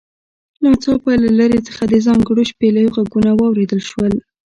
ناڅاپه له لرې څخه د ځانګړو شپېلیو غږونه واوریدل شول